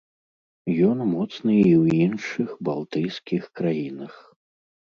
Ён моцны і ў іншых балтыйскіх краінах.